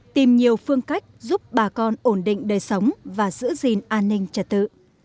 tìm nhiều phương cách giúp bà con ổn định đời sống và giữ gìn an ninh trật tự